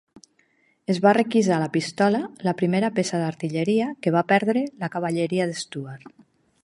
Es va requisar la pistola, la primera peça d'artilleria que va perdre la cavalleria de Stuart.